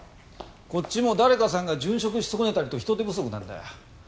こっちも誰かさんが殉職し損ねたりと人手不足なんだ。